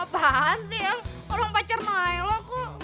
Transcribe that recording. apaan sih yang orang pacar nailah kok